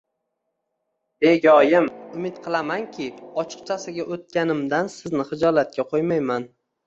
Begoyim, umid qilamanki, ochiqchasiga o`tganimdan Sizni xijolatga qo`ymayman